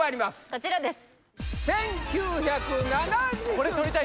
こちらです